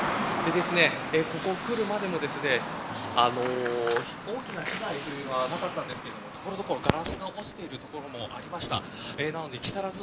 ここに来るまでも大きな被害というのはなかったんですが所々、ガラスが落ちている所もありました。